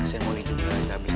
masih mondi juga gak bisa